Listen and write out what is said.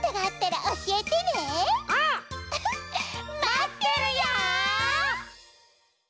まってるよ！